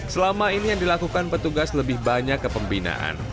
selama ini yang dilakukan petugas lebih banyak kepembinaan